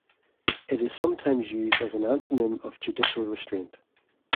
It is sometimes used as an antonym of judicial restraint.